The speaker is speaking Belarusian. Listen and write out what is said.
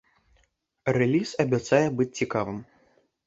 Рэліз абяцае быць цікавым.